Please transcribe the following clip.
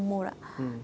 còn đồ ăn